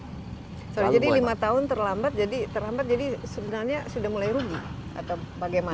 jadi lima tahun terlambat jadi sebenarnya sudah mulai rugi atau bagaimana